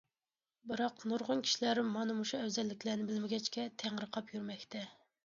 بىراق نۇرغۇن كىشىلەر مانا مۇشۇ ئەۋزەللىكلەرنى بىلمىگەچكە تېڭىرقاپ يۈرمەكتە.